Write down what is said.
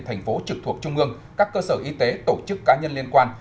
thành phố trực thuộc trung ương các cơ sở y tế tổ chức cá nhân liên quan